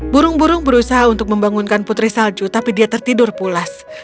burung burung berusaha untuk membangunkan putri salju tapi dia tertidur pulas